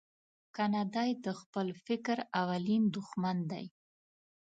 کنه دای د خپل فکر اولین دوښمن دی.